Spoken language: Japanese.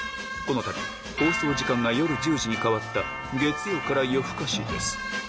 このたび、放送時間が夜１０時に変わった、月曜から夜ふかしです。